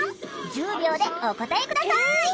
１０秒でお答え下さい！え！